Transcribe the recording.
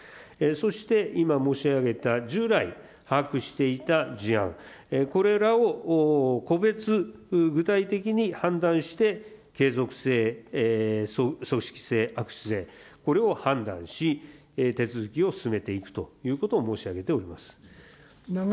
そして今申し上げた従来把握していた事案、これらを個別、具体的に判断して継続性、組織性、悪質性、これを判断し、手続きを進めていくということを申し上げております。